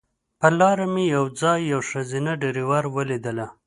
پر لاره مې یو ځای یوه ښځینه ډریوره ولیدله.